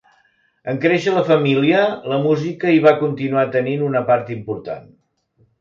En créixer la família la música hi va continuar tenint una part important.